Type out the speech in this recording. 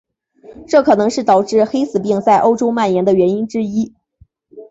这可能是导致黑死病在欧洲蔓延的原因之一。